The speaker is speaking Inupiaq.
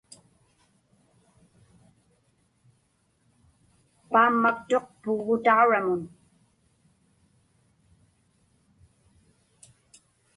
Paammaktuq puggutauramun.